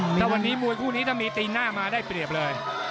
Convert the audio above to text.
ถ้าวันนี้มวยคู่นี้ถ้ามีตีนหน้ามาได้เปรียบเลย